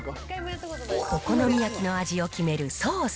お好み焼きの味を決めるソース。